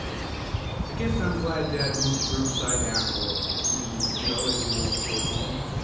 "I guess I'm glad dad moved to Riverside after all," mused Joe as he walked toward home.